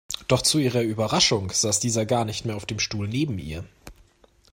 Doch zu ihrer Überraschung saß dieser gar nicht mehr auf dem Stuhl neben ihr.